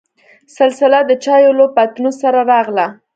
سلسله دچايو له پتنوس سره راغله.